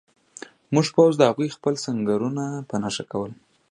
زموږ پوځ د هغوی خپل سنګرونه په نښه کول